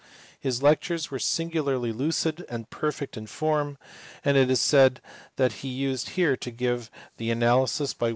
His lectures were singularly lucid and perfect in form, and it is said that he used here to give the analysis by GAUSS.